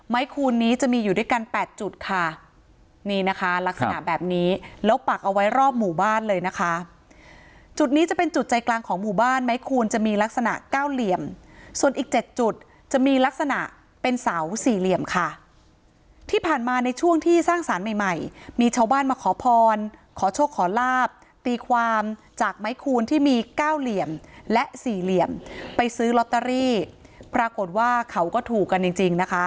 ไม้คูณนี้จะมีอยู่ด้วยกัน๘จุดค่ะนี่นะคะลักษณะแบบนี้แล้วปักเอาไว้รอบหมู่บ้านเลยนะคะจุดนี้จะเป็นจุดใจกลางของหมู่บ้านไม้คูณจะมีลักษณะ๙เหลี่ยมส่วนอีก๗จุดจะมีลักษณะเป็นเสา๔เหลี่ยมค่ะที่ผ่านมาในช่วงที่สร้างสารใหม่มีเช้าบ้านมาขอพรขอโชคขอลาบตีความจากไม้คูณที่มี๙เหลี่ยมและ๔เห